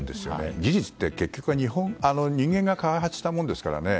技術って結局は人間が開発したものですからね。